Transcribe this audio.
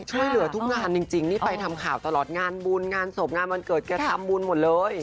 ช่วยเหลือทุกงานจริงนี่ไปทำข่าวตลอดงานบุญงานศพงานวันเกิดแกทำบุญหมดเลย